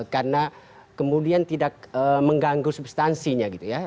karena kemudian tidak mengganggu substansinya gitu ya